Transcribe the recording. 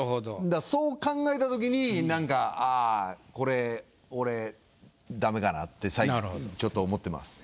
だからそう考えた時にああこれ俺ダメだなってちょっと思ってます。